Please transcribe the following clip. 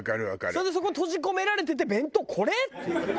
それでそこに閉じ込められてて弁当これ？っていう。